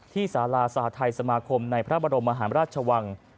ที่ศาลาสหรัฐไทยสมาคมในพระบรมมหาราชวัง